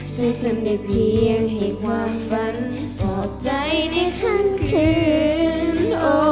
ซึ่งทำได้เพียงให้ความฝันออกใจในทั้งคืน